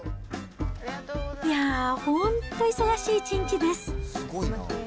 いやぁ、本当、忙しい一日です。